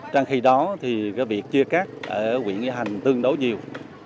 trong khi đó việc chia cắt ở huyện nghĩa hành tương đối nhiều